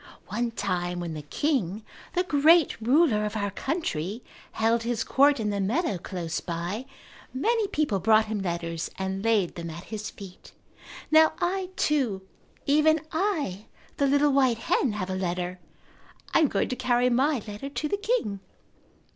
One time when the king, the great ruler of our country, held his court in the meadow close by, many people brought him letters and laid them at his feet. Now I, too, even I, the little white hen, have a letter. I am going to carry my letter to the king."